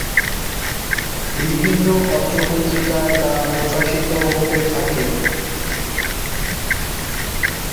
বিভিন্ন পত্রপত্রিকায় তা প্রকাশিত হতে থাকে।